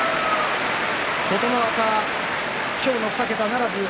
琴ノ若、今日の２桁ならず。